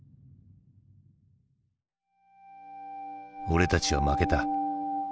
「俺たちは負けた」。